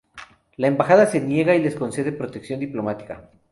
La embajada se niega y les concede protección diplomática.